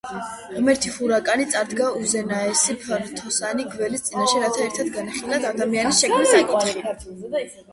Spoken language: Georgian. ღმერთი ჰურაკანი წარდგა უზენაესი ფრთოსანი გველის წინაშე, რათა ერთად განეხილათ ადამიანის შექმნის საკითხი.